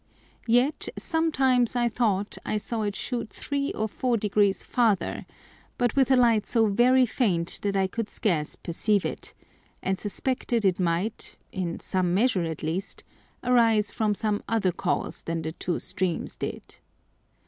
Yet sometimes I thought I saw it shoot three or four Degrees farther, but with a Light so very faint that I could scarce perceive it, and suspected it might (in some measure at least) arise from some other cause than the two streams did.